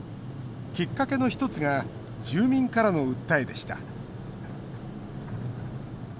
きっかけの１つが住民からの訴えでした。